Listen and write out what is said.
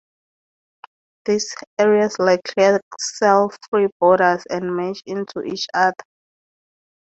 These areas lack clear cell-free borders and merge into each other.